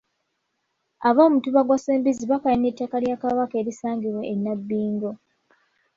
Ab'omutuba gwa Ssembizzi bakaayanira ettaka lya Kabaka erisangibwa e Nabbingo.